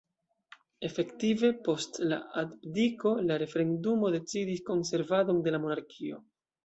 Efektive post la abdiko la referendumo decidis konservadon de la monarkio.